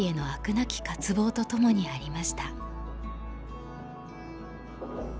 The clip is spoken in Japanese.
なき渇望とともにありました。